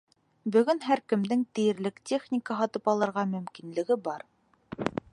Бөгөн һәр кемдең тиерлек техника һатып алырға мөмкинлеге бар.